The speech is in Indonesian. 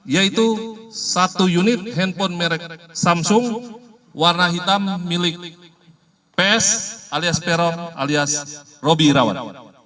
yaitu satu unit handphone merek samsung warna hitam milik ps alias peron alias roby irawan